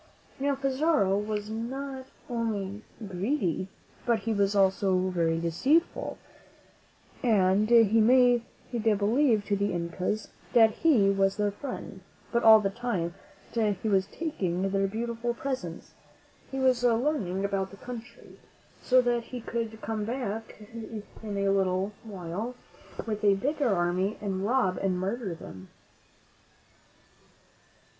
Now, Pizarro was not only greedy, but he was also very deceitful, and he made believe to the Incas that he was their friend; but all the time that he was taking their beautiful presents, he was learning about the country, so that he could come back in a little while with a bigger army and rob and murder them.